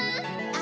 あ。